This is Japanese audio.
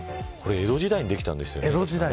江戸時代にできたんですよね。